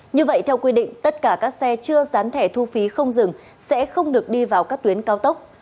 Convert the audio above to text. như vậy theo quy định tất cả các xe chưa dán thẻ thu phí không dừng sẽ không được đi vào các tuyến cao tốc